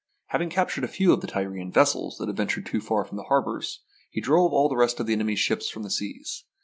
Having captured a few of the Tyrian vessels that had ventured too far from the harbours, he drove all the rest of his enemy's ships from the seas.